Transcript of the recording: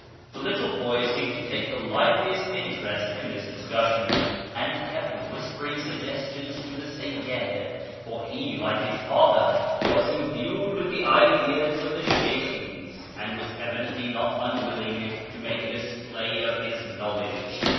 The little boy seemed to take the liveliest interest in this discus sion, and kept whispering suggestions to the Seyyid, for he, like his father, was imbued with the ideas of the Sheykhi's, and was evidently not unwilling to make a display of his knowledge.